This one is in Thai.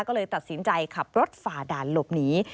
ก็เลยตัดสินใจขับรถฝ่าด่านหลบหนี